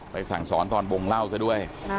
สั่งสอนตอนวงเล่าซะด้วย